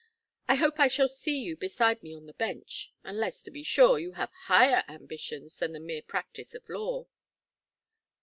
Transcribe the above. I hope I shall see you beside me on the bench unless, to be sure, you have higher ambitions than the mere practice of law."